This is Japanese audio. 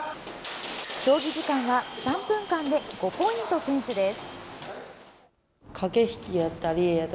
競技時間は３分間で５ポイント先取です。